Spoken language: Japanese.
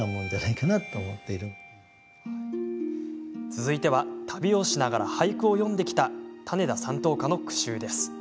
続いては、旅をしながら俳句を詠んできた種田山頭火の「句集」です。